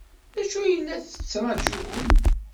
D acu ay la tettṛajum?